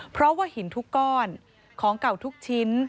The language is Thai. เพราะว่าหินทุกก้อนของเก่าทุกชิ้น